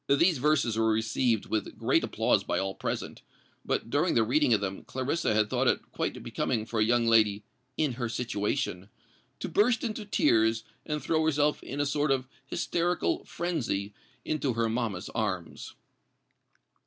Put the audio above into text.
These verses were received with great applause by all present; but during the reading of them Clarissa had thought it quite becoming for a young lady "in her situation" to burst into tears, and throw herself in a sort of hysterical frenzy into her mamma's arms.